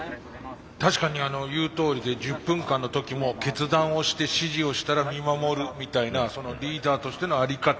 確かに言うとおりで１０分間の時も決断をして指示をしたら見守るみたいなリーダーとしての在り方